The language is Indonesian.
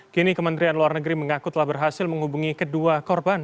kini kementerian luar negeri mengaku telah berhasil menghubungi kedua korban